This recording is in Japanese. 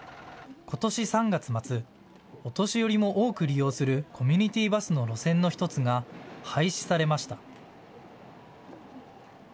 ことし３月末、お年寄りも多く利用するコミュニティーバスの路線の１つが廃止されました。